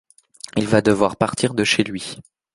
Il va devoir partir de chez lui.